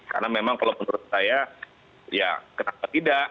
karena memang kalau menurut saya ya kenapa tidak